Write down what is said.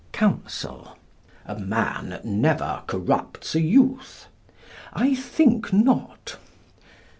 Counsel: A man never corrupts a youth? I think not.